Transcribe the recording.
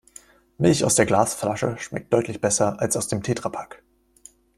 Milch aus der Glasflasche schmeckt deutlich besser als aus dem Tetrapack.